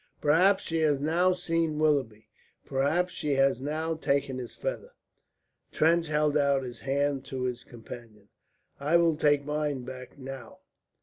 "Perhaps she has now seen Willoughby; perhaps she has now taken his feather." Trench held out his hand to his companion. "I will take mine back now."